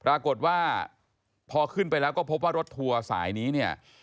ปรากฏว่าพอขึ้นไปแล้วก็พบว่ารถทัวร์สายนี้เนี่ย